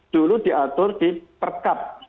dulu diatur di perkat